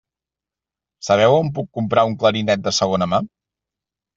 Sabeu on puc comprar un clarinet de segona mà?